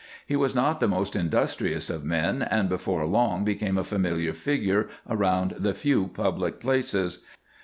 He was not the most industrious of men, and before long became a familiar figure around the few public places.